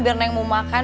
biar neng mau makan